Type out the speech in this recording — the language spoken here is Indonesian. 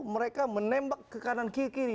mereka menembak ke kanan kiri kiri